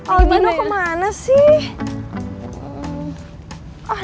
aldino kemana sih